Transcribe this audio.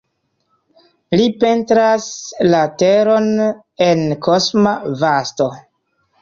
Li pentras la teron en kosma vasto.